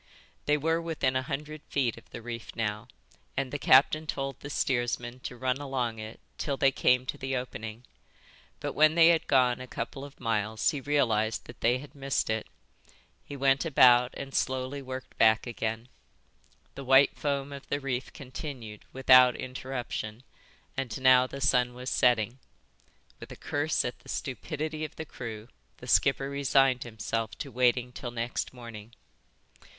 They were within a hundred feet of the reef now and the captain told the steersman to run along it till they came to the opening. But when they had gone a couple of miles he realised that they had missed it. He went about and slowly worked back again. The white foam of the reef continued without interruption and now the sun was setting. With a curse at the stupidity of the crew the skipper resigned himself to waiting till next morning.